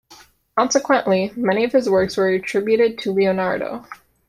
Consequently, many of his works were attributed to Leonardo.